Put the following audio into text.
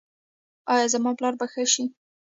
ایا زما پلار به ښه شي؟